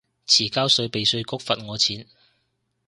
遲交稅被稅局罰我錢